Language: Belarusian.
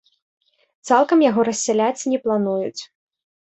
Цалкам яго рассяляць не плануюць.